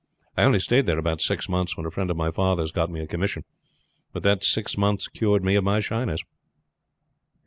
I only stayed there about six months, when a friend of my father's got me a commission; but that six months cured me of my shyness."